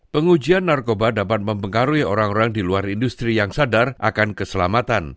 pengujian narkoba dapat mempengaruhi orang orang di luar industri yang sadar akan keselamatan